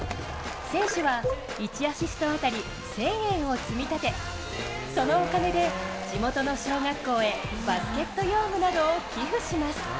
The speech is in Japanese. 選手は１アシスト当たり１０００円を積み立て、そのお金で地元の小学校へバスケット用具などを寄付します。